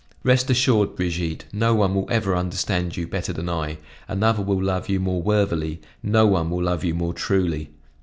Rest assured, Brigitte, no one will ever understand you better than I; another will love you more worthily, no one will love you more truly.